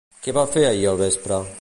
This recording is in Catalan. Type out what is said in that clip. Què va fer ahir al vespre?